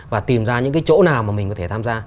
và tìm ra những cái chỗ nào mà mình có thể tham gia